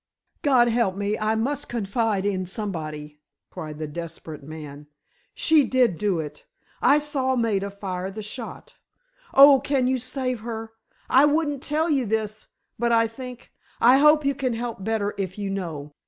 "God help me, I must confide in somebody," cried the desperate man. "She did do it! I saw Maida fire the shot! Oh, can you save her? I wouldn't tell you this, but I think—I hope you can help better if you know.